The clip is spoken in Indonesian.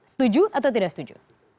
setuju atau tidak setuju